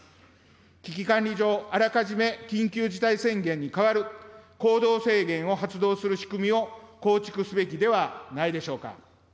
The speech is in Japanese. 危機管理上、あらかじめ緊急事態宣言に代わる行動制限を発動する仕組みを構築すべきではないでしょうか。